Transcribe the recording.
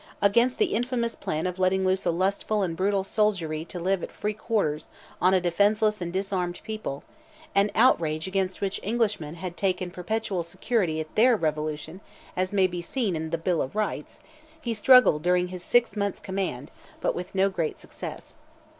Against the infamous plan of letting loose a lustful and brutal soldiery to live at "free quarters" on a defenceless and disarmed people—an outrage against which Englishmen had taken perpetual security at their revolution, as may be seen in "the Bill of Rights," he struggled during his six months' command, but with no great success.